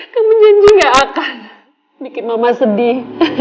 kamu janji gak akan bikin mama sedih